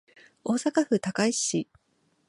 大阪府高石市